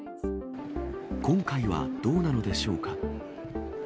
今回はどうなのでしょうか。